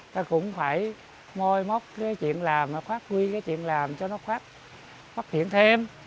ta cũng phải môi móc cái chuyện làm khoác quy cái chuyện làm cho nó khoác thiện thêm